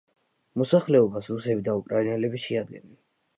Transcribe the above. მოსახლეობას რუსები და უკრაინელები შეადგენენ.